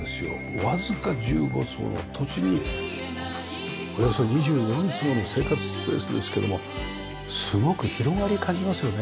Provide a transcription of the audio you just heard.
わずか１５坪の土地におよそ２４坪の生活スペースですけどもすごく広がりを感じますよね。